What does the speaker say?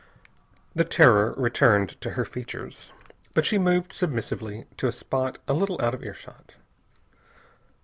The terror returned to her features, but she moved submissively to a spot a little out of earshot.